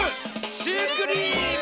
「シュークリーム」！